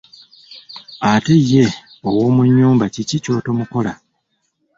Ate ye ow'omu nyumba kiki ky'otomukola?